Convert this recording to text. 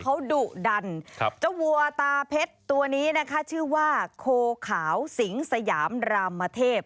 เขาดุดันเจ้าวัวตาเพชรตัวนี้นะคะชื่อว่าโคขาวสิงสยามรามเทพ